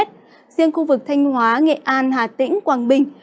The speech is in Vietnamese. riêng khu vực thanh hóa nghệ an hà tĩnh quảng bình